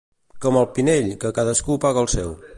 Com al Pinell, que cadascú paga el seu.